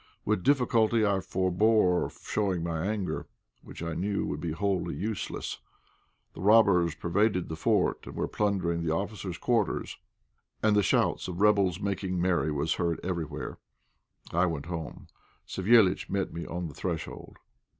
With difficulty I forbore showing my anger, which I knew would be wholly useless. The robbers pervaded the fort, and were plundering the officers' quarters, and the shouts of the rebels making merry were heard everywhere. I went home. Savéliitch met me on the threshold.